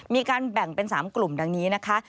มีการแบ่งเป็น๓กลุ่มดังนี้นะคะ